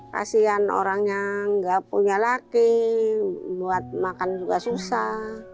kasian orang yang nggak punya laki buat makan juga susah